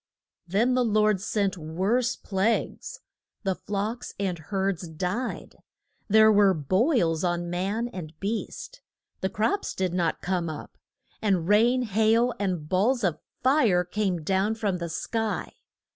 Then the Lord sent worse plagues: the flocks and herds died; there were boils on man and beast; the crops did not come up, and rain, hail, and balls of fire came down from the sky.